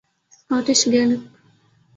Scottish Gaelic